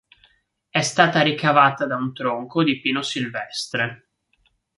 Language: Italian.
È stata ricavata da un tronco di pino silvestre.